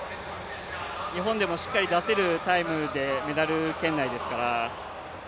日本でもしっかり出せるタイムでメダル圏内ですから。